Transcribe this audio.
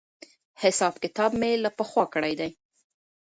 حساب کتاب مې له پخوا کړی دی.